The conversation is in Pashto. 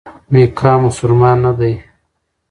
میکا مسلمان نه دی.